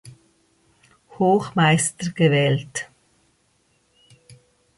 Hochmeister gewählt.